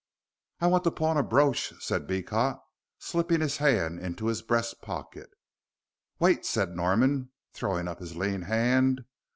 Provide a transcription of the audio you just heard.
"I want to pawn a brooch," said Beecot, slipping his hand into his breast pocket. "Wait," said Norman, throwing up his lean hand.